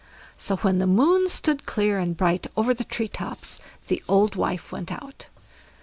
So when the Moon stood clear and bright over the tree tops, the old wife went out.